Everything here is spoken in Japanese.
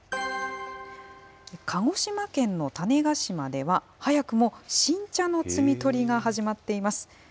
鹿児島県の種子島では、早くも新茶の摘み取りが始まっています。